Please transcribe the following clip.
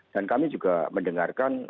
dan kami juga mendengarkan